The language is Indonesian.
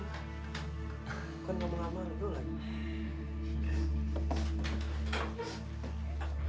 kan kamu lama dulu lagi